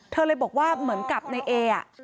เธอเลยบอกว่าเหมือนกับในเอ